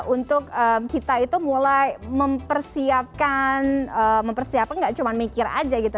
untuk kita itu mulai mempersiapkan mempersiapkan nggak cuma mikir aja gitu